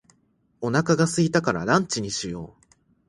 お腹が空いたからランチにしよう。